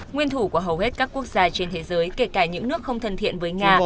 nguyên thủ của hầu hết các quốc gia trên thế giới kể cả những nước không thân thiện với nga